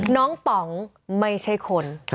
น้องป๋องไม่ใช่คน